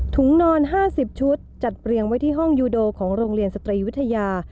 นอน๕๐ชุดจัดเรียงไว้ที่ห้องยูโดของโรงเรียนสตรีวิทยา